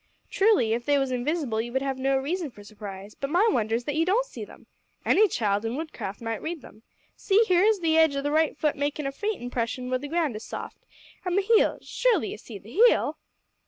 "Truly, if they was invisible you would have reason for surprise, but my wonder is that you don't see them. Any child in wood craft might read them. See, here is the edge o' the right futt making a faint impression where the ground is soft an' the heel; surely ye see the heel!"